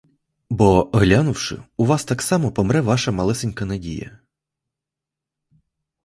Бо, глянувши, у вас так само помре ваша малесенька надія.